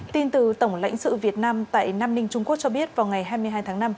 tin từ tổng lãnh sự việt nam tại nam ninh trung quốc cho biết vào ngày hai mươi hai tháng năm